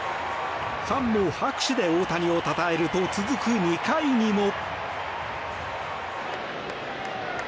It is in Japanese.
ファンも拍手で大谷をたたえると続く２回にも。